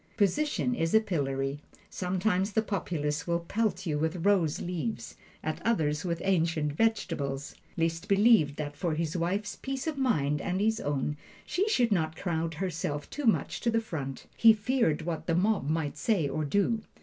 Position is a pillory; sometimes the populace will pelt you with rose leaves at others, with ancient vegetables. Liszt believed that for his wife's peace of mind, and his own, she should not crowd herself too much to the front he feared what the mob might say or do.